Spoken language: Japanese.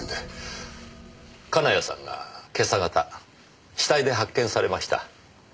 金谷さんが今朝方死体で発見されました。